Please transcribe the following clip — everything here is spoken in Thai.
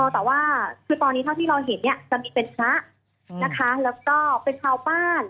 แต่ว่าคือตอนนี้เท่าที่เราเห็นเนี่ยจะมีเป็นพระนะคะแล้วก็เป็นชาวบ้าน